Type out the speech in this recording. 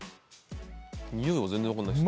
においは全然わかんないです。